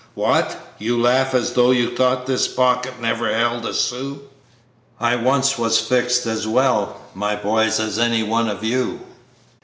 What? You laugh as if you thought this pocket never held a sou; I once was fixed as well, my boys, as any one of you.